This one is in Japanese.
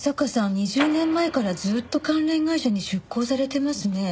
２０年前からずっと関連会社に出向されてますね。